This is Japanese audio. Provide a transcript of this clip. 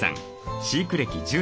飼育歴１０年。